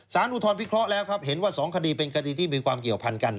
อุทธรณพิเคราะห์แล้วครับเห็นว่า๒คดีเป็นคดีที่มีความเกี่ยวพันกัน